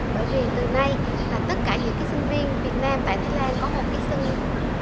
từ hôm nay là tất cả những cái sinh viên việt nam tại thái lan có một cái sân chơi